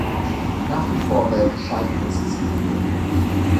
Nach wie vor werden Scheinprozesse geführt.